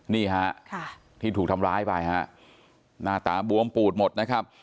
นี่ฮะที่ถูกทำร้ายไปฮะหน้าตาบวมปูดหมดนะครับ